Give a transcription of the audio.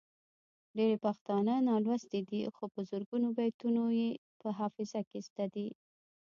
ډیری پښتانه نالوستي دي خو په زرګونو بیتونه یې په حافظه کې زده دي.